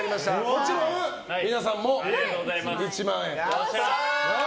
もちろん皆さんも１万円。